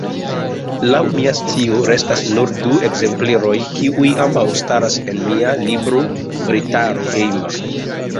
Laŭ mia scio restas nur du ekzempleroj, kiuj ambaŭ staras en mia librobretaro hejma.